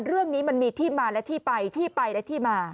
เรื่องนี้มันมีที่มาและที่ไปที่ไปและที่มา